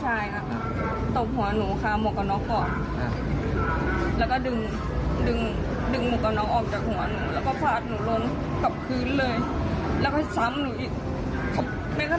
ใช่จากนั้นแฟนหนูก็ทักมาบอกว่าให้หนูก็กลับไปเคลียร์ที่ห้อง